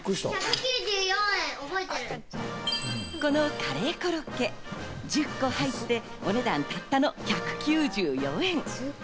このカレーコロッケ、１０個入ってお値段たったの１９４円。